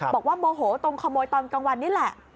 บอกว่าโมโหตรงขโมยตอนกลางวันนี่แหละ